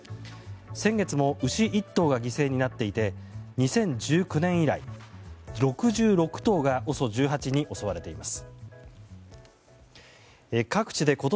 先月も牛１頭が犠牲になっていて２０１９年以来、６６頭がＯＳＯ１８に襲われています。